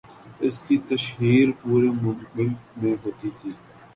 اس کی تشہیر پورے ملک میں ہوتی تھی۔